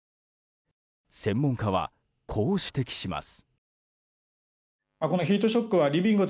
専門家は、こう指摘します。